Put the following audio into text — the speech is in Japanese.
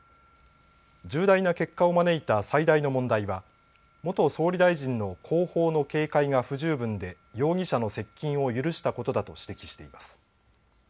重大な結果を招いた最大の問題は元総理大臣の後方の警戒が不十分で容疑者の接近を許したことだと指摘しています。